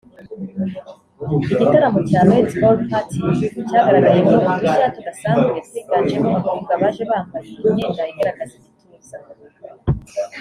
Igitaramo cya Red All Party cyagaragayemo udushya tudasanzwe twiganjemo abakobwa baje bambaye imyenda igaragaza igituza cyabo